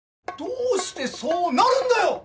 どうしてそうなるんだよ！？